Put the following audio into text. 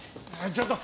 ちょっと！